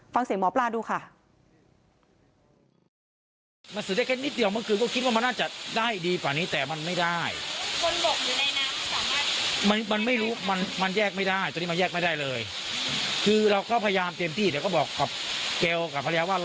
ฟังเสียงหมอปลาดูค่ะ